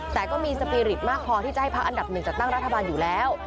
แต่ก็มีสปีริตมากพอที่จะให้พักอันดับหนึ่งจัดตั้งรัฐบาลอยู่แล้ว